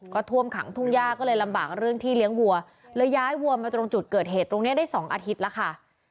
ก็ท่วมขังทุ่งย่าก็เลยลำบากเรื่องที่เลี้ยงวัวเลยย้ายวัวมาตรงจุดเกิดเหตุตรงนี้ได้สองอาทิตย์แล้วค่ะ